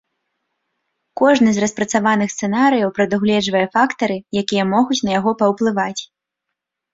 Кожны з распрацаваных сцэнарыяў прадугледжвае фактары, якія могуць на яго паўплываць.